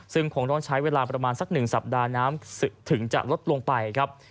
ซึ่งคงต้องใช้เวลาประมาณสัก๑สัปดาห์น้ำถึงจะลดลงไปครับ